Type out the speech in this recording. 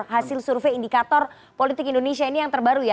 hasil survei indikator politik indonesia ini yang terbaru ya